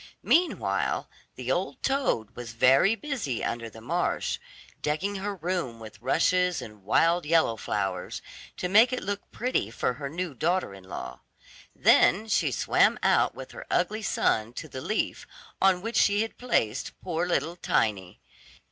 Meanwhile the old toad was very busy under the marsh, decking her room with rushes and wild yellow flowers, to make it look pretty for her new daughter in law. Then she swam out with her ugly son to the leaf on which she had placed poor little Tiny.